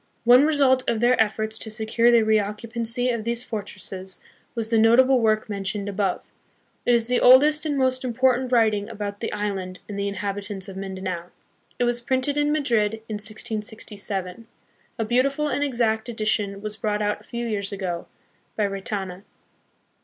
One result of their efforts to secure the reoccupancy of these fortresses was the notable work mentioned above. It is the oldest and most important writing about the island and the inhabitants of Mindanao. It was printed in Madrid in 1667. A beautiful and exact edition was brought out a few years ago, by Retana.